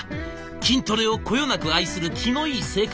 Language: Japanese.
筋トレをこよなく愛する気のいい性格のこの男。